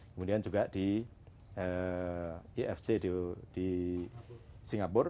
kemudian juga di ifc di singapura